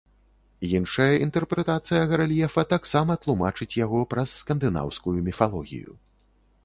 Іншая інтэрпрэтацыя гарэльефа таксама тлумачыць яго праз скандынаўскую міфалогію.